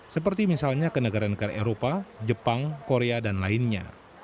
seperti misalnya ke negara negara eropa jepang korea dan lainnya